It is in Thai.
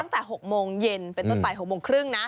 ตั้งแต่๖โมงเย็นเป็นต้นไป๖โมงครึ่งนะ